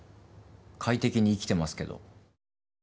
快適に生きていますけど。